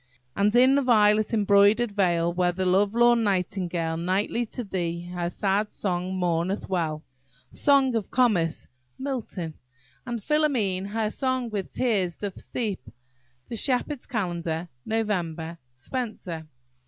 "And in the violet embroider'd vale, Where the love lorn nightingale Nightly to thee her sad song mourneth well." Song of Comus–MILTON. "And Philomele her song with teares doth steepe." The Shepherd's Calendar, Nov. SPENSER.